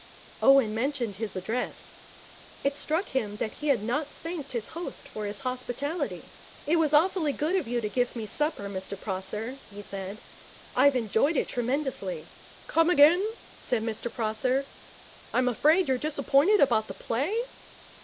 Owen mentioned his address. It struck him that he had not thanked his host for his hospitality. 'It was awfully good of you to give me supper, Mr Prosser,' he said. 'I've enjoyed it tremendously.' 'Come again,' said Mr Prosser. 'I'm afraid you're disappointed about the play?'